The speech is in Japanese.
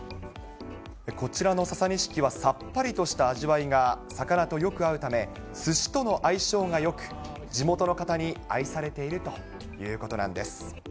こちらのササニシキは、さっぱりとした味わいが魚とよく合うため、すしとの相性がよく、地元の方に愛されているということなんです。